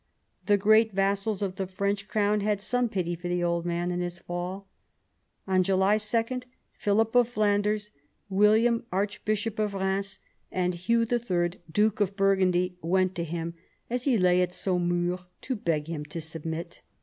The great vassals of the French crown had some pity for the old man in his fall. On July 2 Philip of Flanders, William, archbishop of Eheims, and Hugh III., duke of Burgundy, went to him, as he lay at Saumur, to beg him to submit.